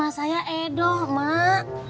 nah saya edoh mak